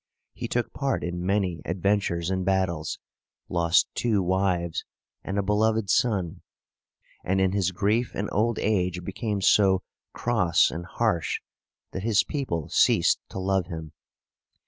He took part in many adventures and battles, lost two wives and a beloved son, and in his grief and old age became so cross and harsh that his people ceased to love him.